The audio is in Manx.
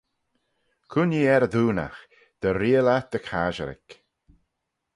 Cooinee er y doonaght, dy reayll eh dy casherick.